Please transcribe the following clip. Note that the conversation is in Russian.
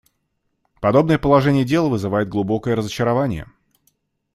Подобное положение дел вызывает глубокое разочарование.